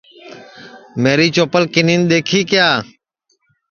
میری چوپل کینین دؔیکھی کیا